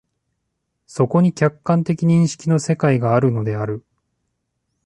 そこに客観的認識の世界があるのである。